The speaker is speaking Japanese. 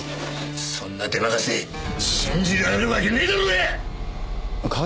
そんなデマカセ信じられるわけねえだろうが！